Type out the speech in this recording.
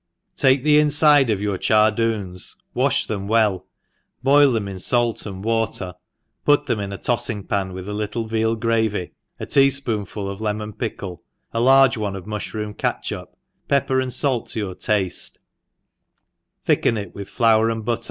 TAKE the infide of your chardoons, wafh them well, boil them in fait and water, put them into a toiling pan with a little veal gravy, a tea fpoonful of lemon pickle, a large one of m\i{hroom catchup, pepper and fall to your tafte.